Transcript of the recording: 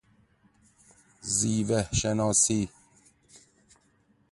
زیوه شناسی